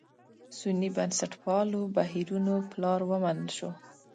سني بنسټپالو بهیرونو پلار ومنل شو.